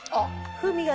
風味がね。